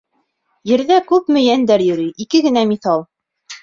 Ерҙә күпме йәндәр йөрөй Ике генә миҫал: